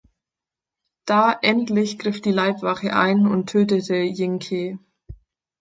Da endlich griff die Leibwache ein und tötete Jing Ke.